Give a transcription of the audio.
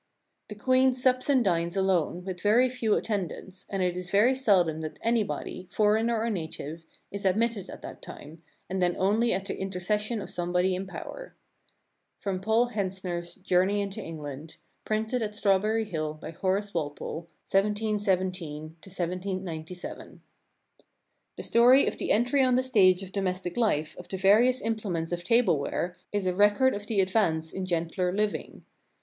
"The Queen sups and dines alone with very few attend "ants, and it is very seldom that anybody, foreigner or native, "is admitted at that time, and then only at the intercession "of somebody in power." From Paul Hentzner's "Journey into England/' Printed at Strawberry Hill by Horace Walpole, 1717 1797. The Silversmith's Shop and Tools In the time of Edward III. Woman and servant purchasing eiver and basin The story of the entry on the stage of domestic life of the various implements of tableware is a rec ord of the advance in gentler living.